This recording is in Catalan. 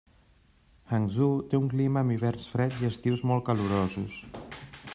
Hangzhou té un clima amb hiverns freds i estius molt calorosos.